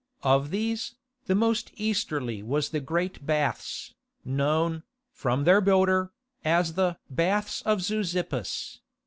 Of these, the most easterly was the Great Baths, known, from their builder, as the "Baths of Zeuxippus."